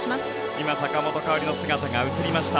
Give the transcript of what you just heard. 今、坂本花織の姿が映りました。